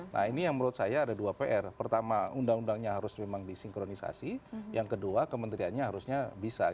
nah ini yang menurut saya ada dua pr pertama undang undangnya harus memang disinkronisasi yang kedua kementeriannya harusnya bisa